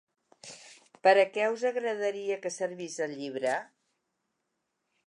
Per a què us agradaria que servís el llibre?